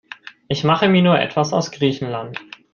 Ich mache mir nur etwas aus Griechenland.